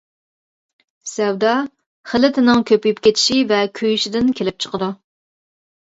سەۋدا خىلىتىنىڭ كۆپىيىپ كېتىشى ۋە كۆيۈشىدىن كېلىپ چىقىدۇ.